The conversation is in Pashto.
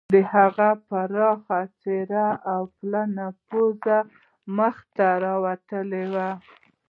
د هغه پراخه څیره او پلنه پوزه مخ ته راوتلې وه